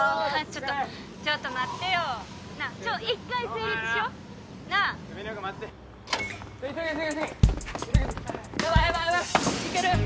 ちょっとちょっと待ってよなあちょっ一回整列しようなあ急げ急げ急げヤバいヤバいヤバいいける！